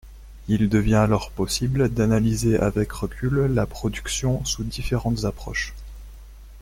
Il devient alors possible d'analyser avec recul la production sous différentes approches.